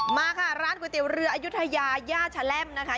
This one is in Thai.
มาค่ะร้านก๋วยเตี๋ยวเรืออายุทยาย่าชะแลมนะคะ